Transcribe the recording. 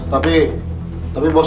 tau kan bos